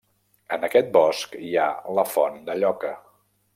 En aquest bosc hi ha la Font de Lloca.